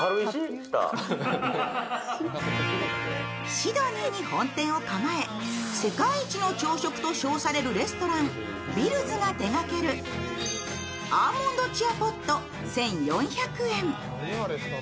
シドニーに本店を構え世界一の朝食と称されるレストランｂｉｌｌｓが手がけるアーモンドチアポット１４００円。